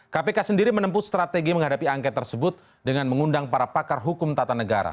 kpk sendiri menempuh strategi menghadapi angket tersebut dengan mengundang para pakar hukum tata negara